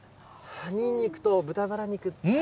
葉ニンニクと豚バラ肉。